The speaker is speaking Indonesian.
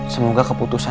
semoga keputusan aku